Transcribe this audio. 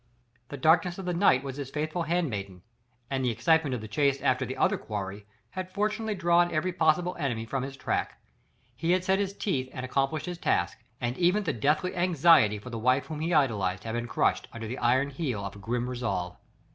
The darkness of the night was his faithful handmaiden, and the excitement of the chase after the other quarry had fortunately drawn every possible enemy from his track. He had set his teeth and accomplished his task, and even the deathly anxiety for the wife whom he idolised had been crushed, under the iron heel of a grim resolve.